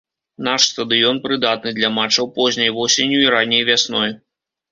Наш стадыён прыдатны для матчаў позняй восенню і ранняй вясной.